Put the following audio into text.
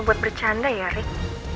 buat bercanda ya rick